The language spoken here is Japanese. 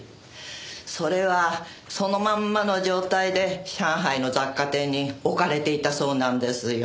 それはそのまんまの状態で上海の雑貨店に置かれていたそうなんですよ。